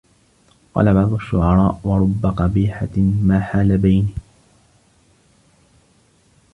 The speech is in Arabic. وَقَالَ بَعْضُ الشُّعَرَاءِ وَرُبَّ قَبِيحَةٍ مَا حَالَ بَيْنِي